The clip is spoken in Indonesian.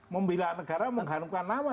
membela negara mengharumkan nama